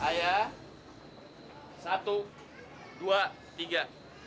ayah satu dua tiga